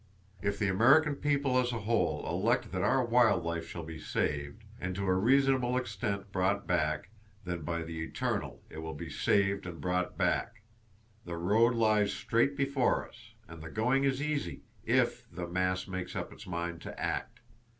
If the American People as a whole elect that our wild life shall be saved, and to a reasonable extent brought back, then by the Eternal it will be saved and brought back! The road lies straight before us, and the going is easy—if the Mass makes up its mind to act.